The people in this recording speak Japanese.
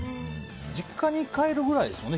実家に帰るくらいですよね。